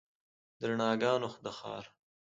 د رڼاګانو د ښار